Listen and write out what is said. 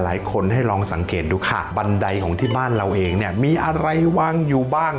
หลายคนให้ลองสังเกตดูค่ะบันไดของที่บ้านเราเองเนี่ยมีอะไรวางอยู่บ้าง